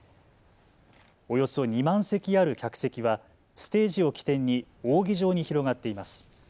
およそ２万席ある客席はステージを起点に扇状に広がっています。